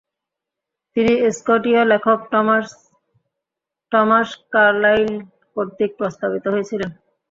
তিনি স্কটীয় লেখক Thomas Carlyle কর্তৃক প্রভাবিত হয়েছিলেন।